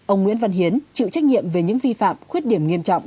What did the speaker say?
ông nguyễn văn hiến chịu trách nhiệm về những vi phạm khuyết điểm nghiêm trọng